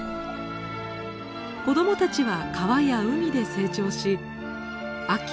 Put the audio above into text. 子どもたちは川や海で成長し秋